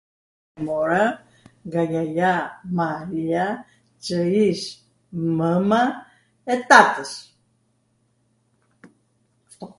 mora nga jaja Maria, qw ish mwma e tatws.